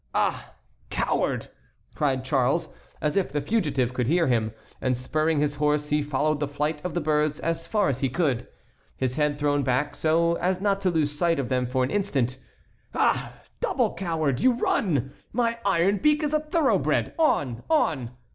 "Ah! coward!" cried Charles, as if the fugitive could hear him, and, spurring his horse, he followed the flight of the birds as far as he could, his head thrown back so as not to lose sight of them for an instant. "Ah! double coward! You run! My Iron Beak is a thoroughbred; on! on!